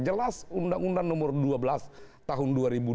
jelas undang undang nomor dua belas tahun dua ribu dua belas